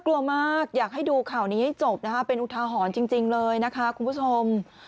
กลัวมากอยากให้ดูข่าวนี้ให้จบนะคะเป็นอุทาหรณ์จริงเลยนะคะคุณผู้ชม